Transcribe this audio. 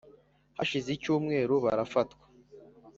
hashize icyumweru barafatwa